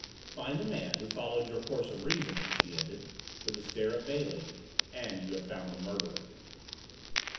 "Find the man who followed your course of reasoning," she ended, with a stare at Bailey, "and you have found the murderer."